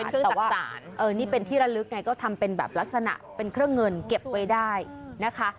นี่เป็นที่ระลึกไงก็ทำเป็นแบบลักษณะเป็นเครื่องเงินเก็บไว้ได้นะคะ